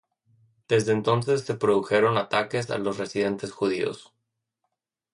Desde entonces se produjeron ataques a los residentes judíos.